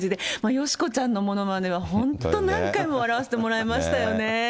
よし子ちゃんのものまねは本当、何回も笑わせてもらいましたよね。